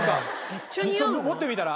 持ってみたら？